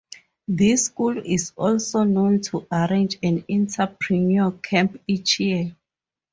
This school is also known to arrange an entrepreneur camp each year.